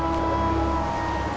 uhm habis sama dia